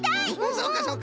そうかそうか。